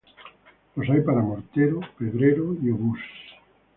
Los hay para mortero, pedrero y obús.